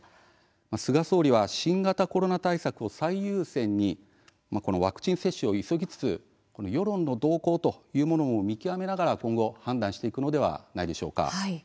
菅総理は新型コロナ対策を最優先に、ワクチンの接種を急ぎつつ世論の動向というものも見極めながら今後判断していくのではないでしょうか。